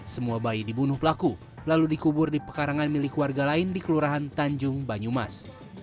semua bayi dibunuh pelaku lalu dikubur di pekarangan milik warga lain di kelurahan tanjung banyumas